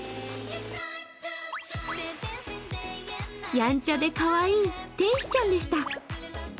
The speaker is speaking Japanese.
やんちゃでかわいい天使ちゃんでした。